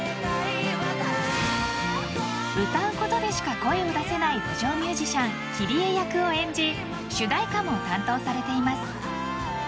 ［歌うことでしか声を出せない路上ミュージシャンＫｙｒｉｅ役を演じ主題歌も担当されています］